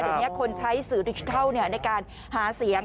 เดี๋ยวนี้คนใช้สื่อดิจิทัลในการหาเสียง